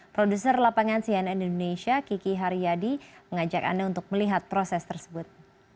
produser lapangan cnn indonesia kiki haryadi mengajak anda untuk melihat proses tersebut